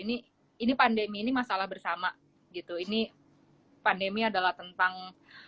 ini ini pandemi ini masalah bersama gitu ini pandemi adalah tentang